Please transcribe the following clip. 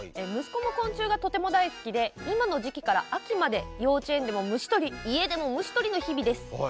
息子も昆虫がとても大好きで今の時期から駅まで幼稚園でも虫捕り家でも虫捕りの日々です。